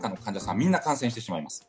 みんな感染してしまいます。